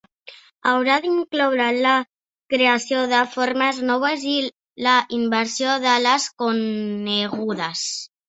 Haurà d'incloure la creació de formes noves i la inversió de les conegudes.